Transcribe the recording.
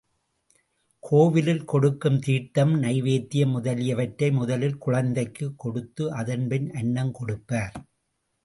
கோவிலில் கொடுக்கும் தீர்த்தம் நைவேத்யம் முதலியவற்றை முதலில் குழந்தைக்குக் கொடுத்து, அதன்பின் அன்னம் கொடுப்பர்.